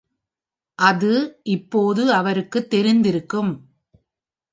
அது இப்போது அவருக்குத் தெரிந்திருக்கும்.